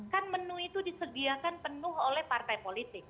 kan menu itu disediakan penuh oleh partai politik